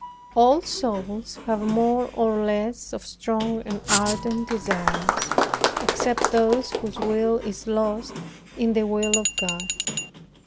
All souls have more or less of strong and ardent desires, except those whose will is lost in the will of God.